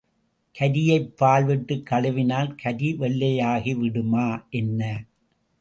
கரியைப் பால் விட்டுக் கழுவினால் கரி வெள்ளையாகிவிடுமா, என்ன?